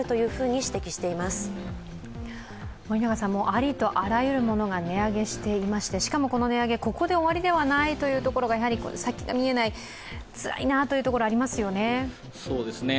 ありとあらゆるものが値上げしていまして、しかもこの値上げ、ここで終わりではないというところが先が見えない、つらいなというところがありますよね。